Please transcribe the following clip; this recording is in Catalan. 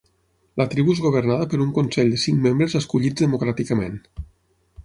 La tribu és governada per un consell de cinc membres escollits democràticament.